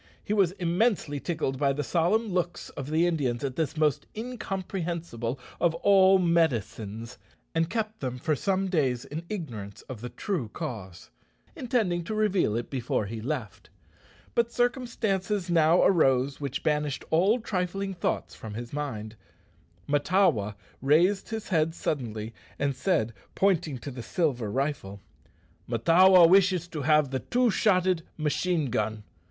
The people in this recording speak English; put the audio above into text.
He was immensely tickled by the solemn looks of the Indians at this most incomprehensible of all "medicines," and kept them for some days in ignorance of the true cause, intending to reveal it before he left. But circumstances now arose which banished all trifling thoughts from his mind. Mahtawa raised his head suddenly, and said, pointing to the silver rifle, "Mahtawa wishes to have the two shotted medicine gun.